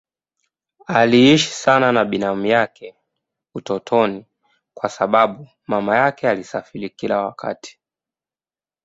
Aliishi sana na binamu yake utotoni mwake kwa sababu mama yake alisafiri kila wakati.